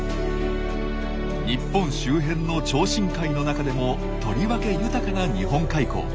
日本周辺の超深海の中でもとりわけ豊かな日本海溝。